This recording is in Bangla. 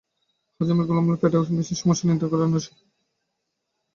হজমের গোলমাল ও পেটে গ্যাসের সমস্যাও নিয়ন্ত্রণ করে আনারস।